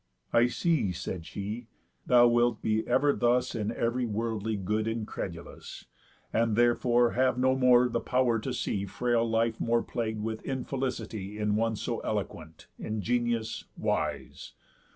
"I see," said she, "thou wilt be ever thus In ev'ry worldly good incredulous, And therefore have no more the pow'r to see Frail life more plagued with infelicity In one so eloquent, ingenious, wise.